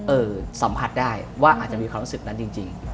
สัมผัสได้ว่าอาจจะมีความรู้สึกนั้นจริง